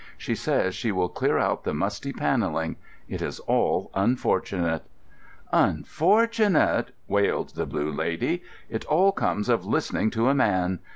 She says she will clear out the musty panelling. It is all unfortunate." "Unfortunate!" wailed the Blue Lady. "It all comes of listening to a man.